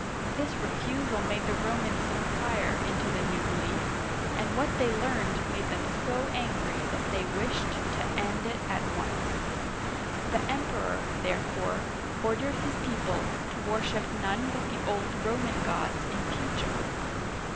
This re fusal made the Romans inquire into the new belief, and what they learned made them so angry that they wished to end it at once. The Emperor, therefore, ordered his people, to worship none but the old Roman gods in future.